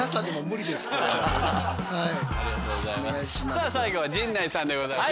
さあ最後は陣内さんでございます。